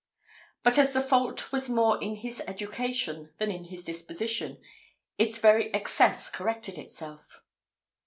But as the fault was more in his education than in his disposition, its very excess corrected itself.